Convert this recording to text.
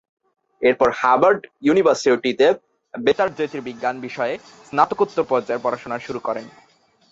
এরপর হার্ভার্ড ইউনিভার্সিটিতে বেতার জ্যোতির্বিজ্ঞান বিষয়ে স্নাতকোত্তর পর্যায়ের পড়াশোনা শুরু করেন।